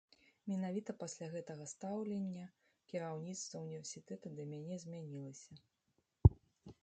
Менавіта пасля гэтага стаўленне кіраўніцтва універсітэта да мяне змянілася.